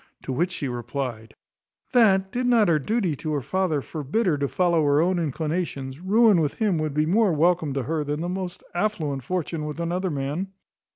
To which she replied, "That, did not her duty to her father forbid her to follow her own inclinations, ruin with him would be more welcome to her than the most affluent fortune with another man."